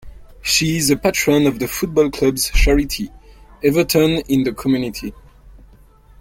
She is a patron of the football club's charity, Everton in the Community.